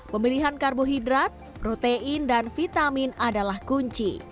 pemilihan karbohidrat protein dan vitamin adalah kunci